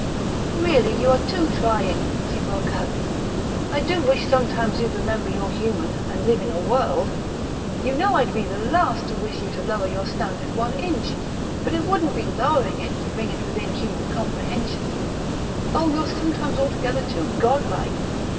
"Really, you are too trying!" she broke out. "I do wish sometimes you'd remember you're human, and live in a world! You know I'd be the last to wish you to lower your standard one inch, but it wouldn't be lowering it to bring it within human comprehension. Oh, you're sometimes altogether too godlike!...